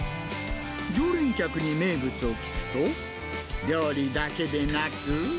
常連客に名物を聞くと、料理だけでなく。